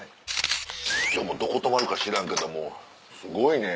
今日どこ泊まるか知らんけどもすごいね。